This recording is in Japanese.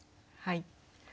はい。